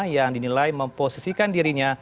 yang dinilai memposisikan